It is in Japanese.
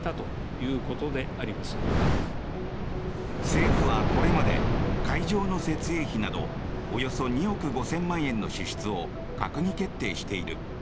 政府はこれまで会場の設営費などおよそ２億５０００万円の支出を閣議決定している。